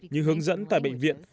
như hướng dẫn tại bệnh viện